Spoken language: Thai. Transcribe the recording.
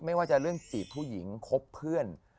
ไม่ว่าจะเรื่องจีบผู้หญิงคบเพื่อน